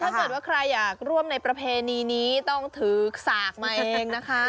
ถ้าเกิดว่าใครอยากร่วมในประเพณีนี้ต้องถือสากมาเองนะคะ